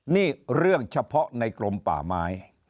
นี่เรื่องเฉพาะในกรมป่าไม้